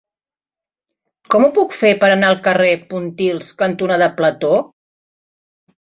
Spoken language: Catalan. Com ho puc fer per anar al carrer Pontils cantonada Plató?